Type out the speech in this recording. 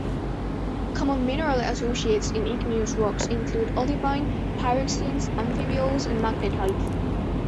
Common mineral associates in igneous rocks include olivine, pyroxenes, amphiboles and magnetite.